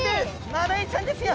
マダイちゃんですよ。